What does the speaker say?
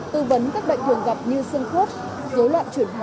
tư vấn các bệnh thường gặp như xương khớp dối loạn chuyển hóa